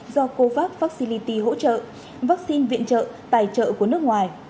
do covax fracility hỗ trợ vaccine viện trợ tài trợ của nước ngoài